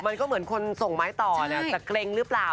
มันก็เหมือนคนส่งไม้ต่อแหละจะเกร็งหรือเปล่า